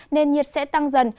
nên nhiệt sẽ tăng dần